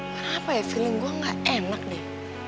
kenapa ya feeling gue gak enak nih